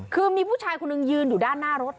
คือมีผู้ชายคนหนึ่งยืนอยู่ด้านหน้ารถ